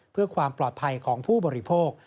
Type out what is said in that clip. เพื่อความปลอดภัยของผู้บริโภค